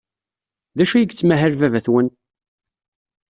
D acu ay yettmahal baba-twen?